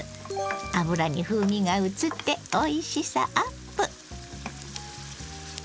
油に風味がうつっておいしさアップ。